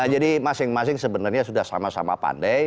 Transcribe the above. jadi masing masing sebenarnya sudah sama sama pandai